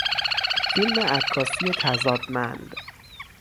فیلم عکاسی تضادمند